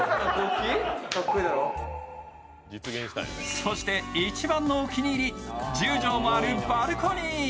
そして、一番のお気に入り、１０畳もあるバルコニー。